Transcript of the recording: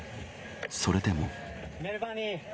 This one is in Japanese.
それでも。